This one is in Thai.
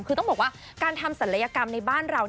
คือต้องบอกว่าการทำศัลยกรรมในบ้านเรา